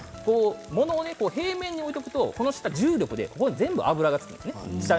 ものを平面に置いておくと重力で下が全部が油がつくんです。